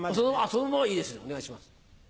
そのままでいいですお願いします。